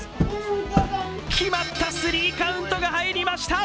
決まった、スリーカウントが入りました！